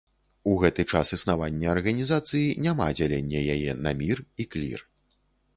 У гэты час існавання арганізацыі няма дзялення яе на мір і клір.